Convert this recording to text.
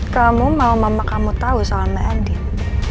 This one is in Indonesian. kamu mau mama kamu tau soal meanding